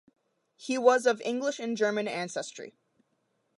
He was of English and German ancestry.